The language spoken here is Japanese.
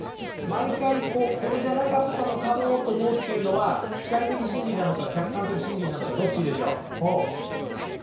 毎回こうこれじゃなかったのかもと思うっていうのは主体的真理なのか客観的真理なのかどっちでしょう？